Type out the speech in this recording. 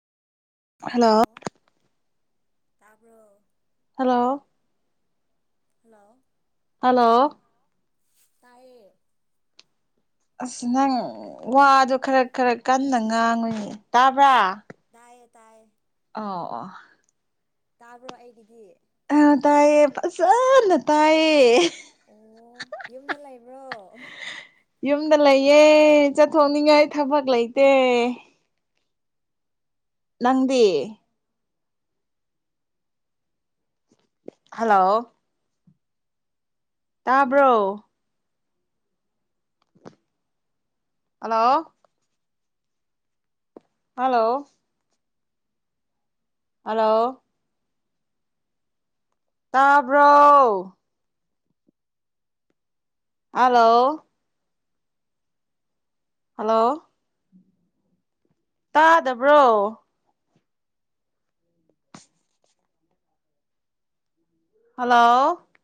hello ꯇꯔꯕ hello hello hello ꯇꯌꯦ ꯑꯁ ꯅꯪ ꯋꯥꯗꯣ ꯈꯔ ꯈꯔ ꯀꯟꯅ ꯉꯥꯡꯉꯣꯏꯅꯦ ꯇꯥꯕ꯭ꯔꯥ ꯇꯌꯦ ꯇꯑꯌꯦ ꯑ ꯑꯣ ꯇꯥꯕ꯭ꯔꯣ ꯑꯩꯒꯤꯗꯤ ꯑ ꯇꯥꯏꯌꯦ ꯐꯖꯅ ꯇꯥꯏꯌꯦ ꯑꯣ ꯌꯨꯝꯗ ꯂꯩꯕ꯭ꯔꯣ ꯌꯨꯝꯗ ꯂꯩꯌꯦ ꯆꯠꯊꯣꯛꯅꯤꯡꯉꯥꯏ ꯊꯕꯛ ꯂꯩꯇꯦ ꯅꯪꯗꯤ ꯍꯜꯂꯣ ꯇꯥꯕ꯭ꯔꯣ ꯍꯜꯂꯣ ꯍꯜꯂꯣ ꯍꯜꯂꯣ ꯇꯥꯕ꯭ꯔꯣ ꯍꯜꯂꯣ ꯍꯜꯂꯣ ꯇꯥꯗꯕ꯭ꯔꯣ ꯍꯜꯂꯣ